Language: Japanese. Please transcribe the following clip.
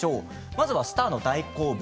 まずはスターの大好物。